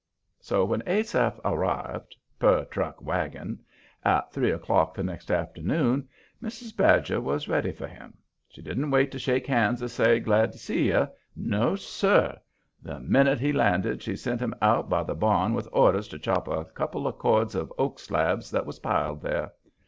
So when Asaph arrived per truck wagon at three o'clock the next afternoon, Mrs. Badger was ready for him. She didn't wait to shake hands or say: "Glad to see you." No, sir! The minute he landed she sent him out by the barn with orders to chop a couple of cords of oak slabs that was piled there.